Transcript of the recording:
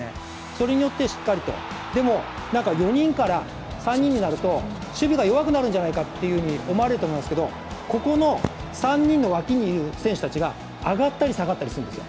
それによって、しっかりと、でも、４人から３人になると、守備が弱くなるんじゃないかと思われると思いますけど、ここの３人の脇にいる選手が上がったり下がったりするんです。